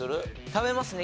食べますね。